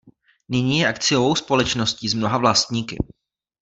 Nyní je akciovou společností s mnoha vlastníky.